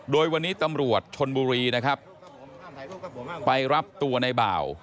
โดยวันนี้ตำรวจชนบุรีนะครับไปรับตัวในบ่าว